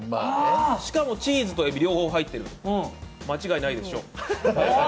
しかもチーズとえび両方入ってる、間違いないでしょう。